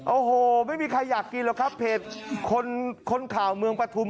โอ้โหไม่มีใครอยากกินหรอกครับเพจคนข่าวเมืองปฐุม